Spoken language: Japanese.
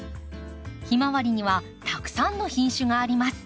ヒマワリにはたくさんの品種があります。